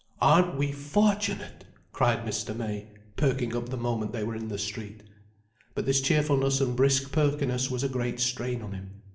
Aren't we fortunate!" cried Mr. May, perking up the moment they were in the street. But this cheerfulness and brisk perkiness was a great strain on him.